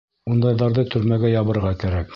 Ундайҙарҙы төрмәгә ябырға кәрәк!